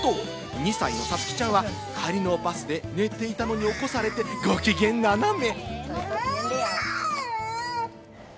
２歳のさつきちゃんは帰りのバスで寝ていたのに起こされてご機嫌ななめ。